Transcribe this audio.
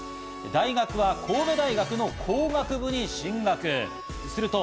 大学は神戸大学の工学部に進学。